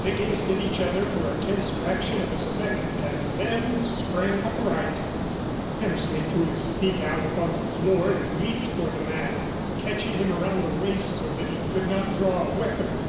They gazed at each other for a tense fraction of a second and then sprang upright. Hammersley threw his feet out upon the floor and leaped for the man, catching him around the waist so that he could not draw a weapon.